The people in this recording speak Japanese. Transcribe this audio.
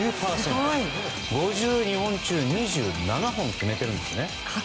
５２本中２７本を決めているんですね。